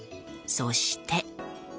そして。